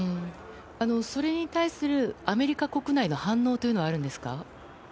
それに対する、アメリカ国内の反応はあるんですか？